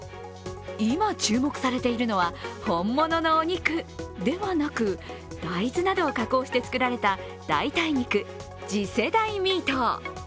今注目されているのは本物のお肉ではなく大豆などを加工して作られた代替肉、次世代ミート。